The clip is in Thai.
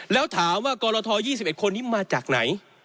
แล้วถามว่ากรท๒๑คนนี้มาจากไหน